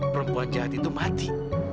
perempuan jahat itu mati